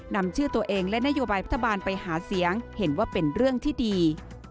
นำชื่อตัวเองและนโยบายรัฐบาลไปหาเสียงเห็นว่าเป็นเรื่องที่ดี